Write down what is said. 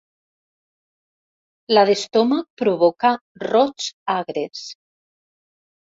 La d'estómac provoca rots agres.